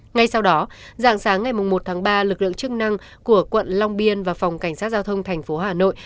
ngay sau đó dạng sáng ngày một tháng ba lực lượng chức năng của quận long biên và phòng cảnh sát giao thông thành phố hà nội